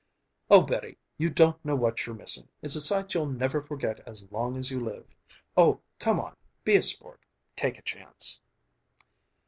"Oh Betty, you don't know what you're missing! It's a sight you'll never forget as long as you live... oh, come on! Be a sport. Take a chance!"